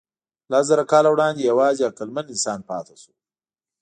لسزره کاله وړاندې یواځې عقلمن انسان پاتې شو.